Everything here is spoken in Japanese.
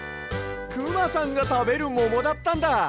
くまさんがたべるももだったんだ。